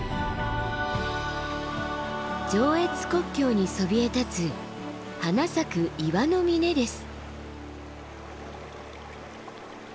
上越国境にそびえ立つ花咲く岩の峰です。